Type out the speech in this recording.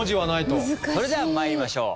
それでは参りましょう。